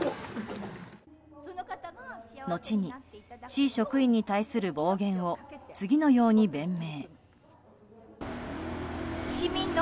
後に市職員に対する暴言を次のように弁明。